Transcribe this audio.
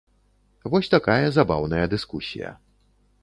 Вось такая забаўная дыскусія.